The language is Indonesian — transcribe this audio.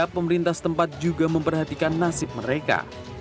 pemerintah setempat juga memperhatikan nasib mereka